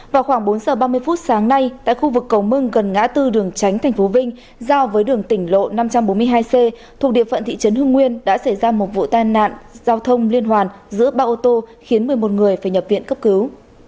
vào khoảng bốn giờ ba mươi phút sáng nay tại khu vực cầu mương gần ngã tư đường tránh tp vinh giao với đường tỉnh lộ năm trăm bốn mươi hai c thuộc địa phận thị trấn hưng nguyên đã xảy ra một vụ tai nạn giao thông liên hoàn giữa ba ô tô khiến một mươi một người phải nhập viện cấp cứu